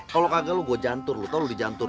kalo kagak lu gue jantur lu tau lu di jantur